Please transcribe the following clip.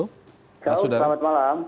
halo selamat malam